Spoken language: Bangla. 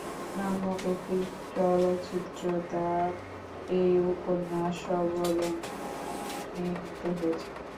নামক একটি চলচ্চিত্র তার এই উপন্যাস অবলম্বনে নির্মিত হয়েছে।